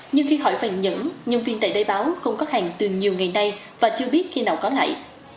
nhưng khi hỏi vàng nhẫn nhân viên tại đây báo không có hàng từ nhiều ngày nay và chưa biết khi nào có lại